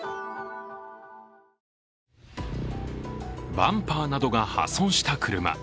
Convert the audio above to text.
バンパーなどが破損した車。